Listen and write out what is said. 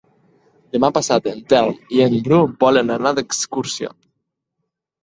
Demà passat en Telm i en Bru volen anar d'excursió.